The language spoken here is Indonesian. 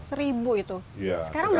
seribu itu sekarang berapa